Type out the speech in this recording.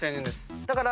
だから。